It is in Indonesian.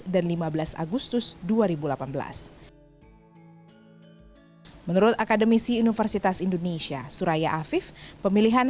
dua ribu delapan belas dan lima belas agustus dua ribu delapan belas menurut akademisi universitas indonesia suraya afif pemilihan